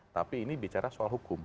tapi ini bicara soal hukum